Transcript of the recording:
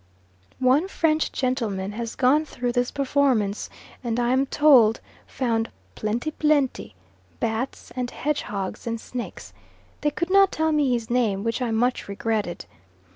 One French gentleman has gone through this performance, and I am told found "plenty plenty" bats, and hedgehogs, and snakes. They could not tell me his name, which I much regretted.